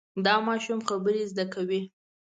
دا ماشوم خبرې زده کوي.